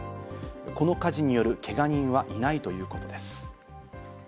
この火事によるけが人はいないということです。